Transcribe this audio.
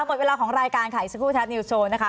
หมดเวลาของรายการไข่ชกู้แท็บนิวโชว์นะคะ